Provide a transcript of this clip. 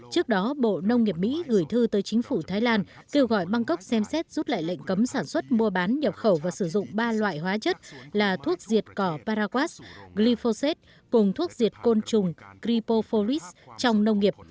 trước đó bộ nông nghiệp mỹ gửi thư tới chính phủ thái lan kêu gọi bangkok xem xét rút lại lệnh cấm sản xuất mua bán nhập khẩu và sử dụng ba loại hóa chất là thuốc diệt cỏ paraguas glyphosate cùng thuốc diệt côn trùng glypopholis trong nông nghiệp